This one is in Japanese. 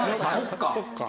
そっか！